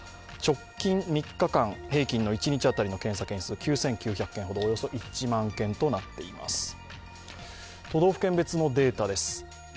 直近３日間平均の一日当たりの検査件数、９９００件ほど、およそ１万件となっています。